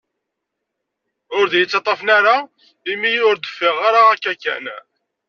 Ur d ay-ttaṭafen ara, imi ur d-ffiɣeɣ ara, akka kan.